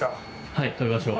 はい食べましょう。